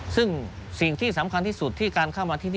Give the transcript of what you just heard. ซึ่งสิ่งที่สำคัญที่สุดที่การเข้ามาที่นี่